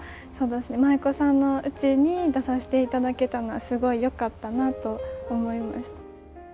そうどすね舞妓さんのうちに出さしていただけたのはすごいよかったなと思いました。